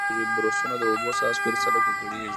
برسونه د اوبو څاڅکو سره ککړېږي.